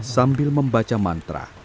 sambil membaca mantra